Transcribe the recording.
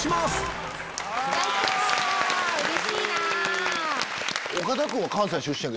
うれしいなぁ！